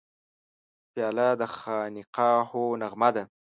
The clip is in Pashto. پیاله د خانقاهو نغمه ده.